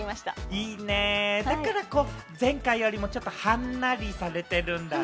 いいね、だから前回よりもちょっとはんなりされてるんだね。